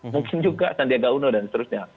mungkin juga sandiaga uno dan seterusnya